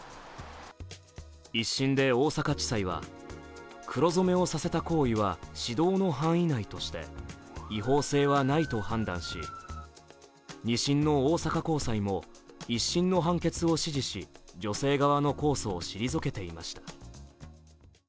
一審で大阪地裁は黒染めをさせた行為は指導の範囲内として違法性はないと判断し二審の大阪高裁も一審の判決を支持し女性側の控訴を退けていました。